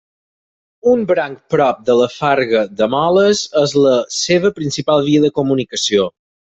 Un branc prop de la Farga de Moles és la seva principal via de comunicació.